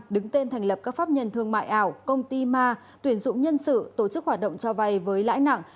đứng tên thành lập các pháp nhân thương mại ảo công ty ma tuyển dụng nhân sự tổ chức hoạt động cho vay với lãi nặng